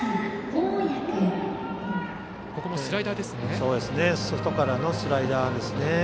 ここもスライダーですね。